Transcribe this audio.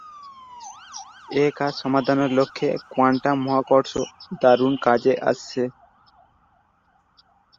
এই কাজ সমাধানের লক্ষ্যে, 'কোয়ান্টাম মহাকর্ষ' দারুণ কাজে আসছে।